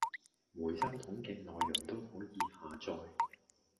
回收桶既內容都可以下載